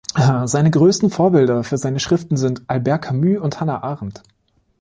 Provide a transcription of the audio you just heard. Seine größten Vorbilder für seine Schriften sind Albert Camus und Hannah Arendt.